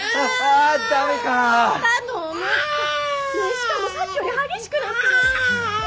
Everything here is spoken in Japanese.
しかもさっきより激しくなってる。